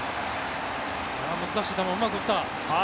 難しい球をうまく打った。